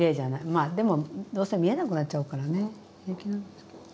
まあでもどうせ見えなくなっちゃうからね平気なんですけど。